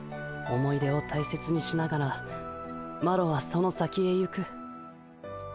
思い出を大切にしながらマロはその先へ行く。